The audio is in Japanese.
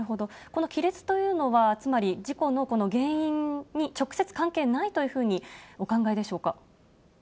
この亀裂というのはつまり、事故の原因に直接関係ないというふうにお考えでしょうか。